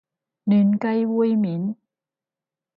嫩雞煨麵